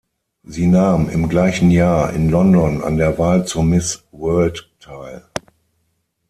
Sie nahm im gleichen Jahr in London an der Wahl zur Miss World teil.